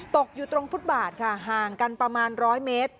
ตกอยู่ตรงฟุตบาทค่ะห่างกันประมาณ๑๐๐เมตร